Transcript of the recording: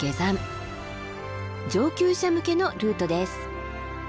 上級者向けのルートです。